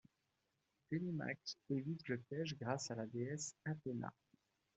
Télémaque évite le piège grâce à la déesse Athéna.